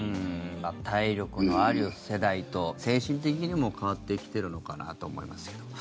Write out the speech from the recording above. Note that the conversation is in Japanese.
体力のある世代と精神的にも変わってきているのかなと思いますけども。